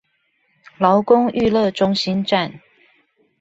勞工育樂中心站